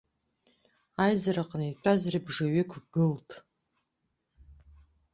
Аизараҟны итәаз рыбжаҩык гылт.